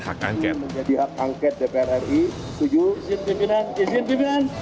yang menjadi hak angket dpr ri tujuh